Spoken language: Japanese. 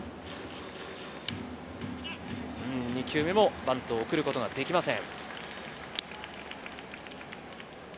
２球目もバントを送ることができません。